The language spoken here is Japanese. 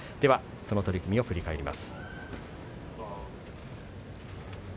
その取組を振り返ります。